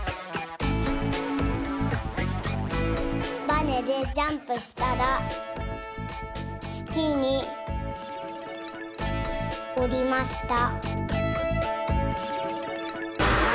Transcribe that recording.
バネでジャンプしたらつきにおりました。